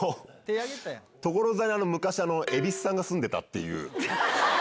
所沢に昔、蛭子さんが住んでたっていう。